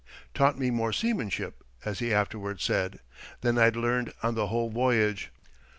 "Taught me more seamanship," as he afterward said, "than I'd learned on the whole voyage."